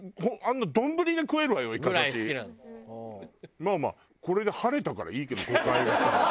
まあまあこれで晴れたからいいけど誤解がさ。